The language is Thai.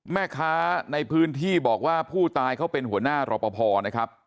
แม่ค้าในพื้นที่บอกว่าผู้ตายเขาเป็นหัวหน้ารอปภนะครับ